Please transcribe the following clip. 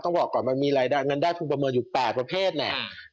ต้องบอกก่อนมันมีรายได้เงินได้ภูมิประเมิดอยู่๘ประเภทเนี่ย